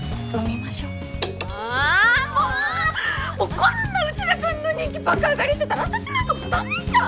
こんな内田君の人気爆上がりしてたら私なんか駄目じゃん！